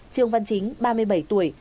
trường văn chính ba mươi bảy tuổi